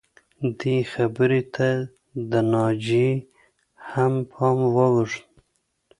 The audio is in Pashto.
دې خبرې ته د ناجیې هم پام واوښته